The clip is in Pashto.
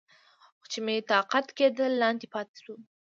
څو چې مې طاقت کېده، لاندې پاتې شوم.